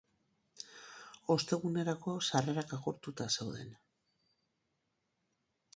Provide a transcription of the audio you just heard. Ostegunerako sarrerak agortuta zeuden.